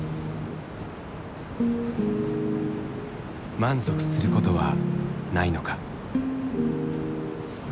満足することはないのか？